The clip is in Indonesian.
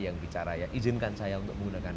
yang bicara ya izinkan saya untuk menggunakan